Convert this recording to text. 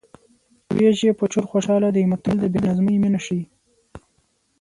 تر وېش یې په چور خوشحاله دی متل د بې نظمۍ مینه ښيي